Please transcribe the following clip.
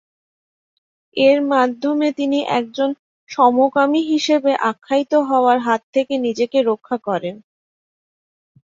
এর মাধ্যমে তিনি একজন সমকামী হিসেবে আখ্যায়িত হওয়ার হাত থেকে নিজেকে রক্ষা করেন।